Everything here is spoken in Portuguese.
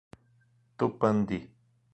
Tupandi